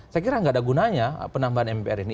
saya kira nggak ada gunanya penambahan mpr ini